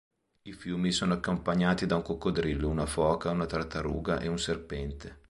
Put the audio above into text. I fiumi sono accompagnati da un coccodrillo, una foca, una tartaruga e un serpente.